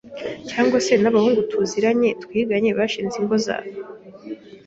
cyangwa se n’abahungu tuziranye twiganye bashinze ingo zabo